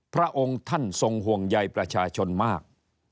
พระองค์ท่านทรงห่วงใยประชาชนมาก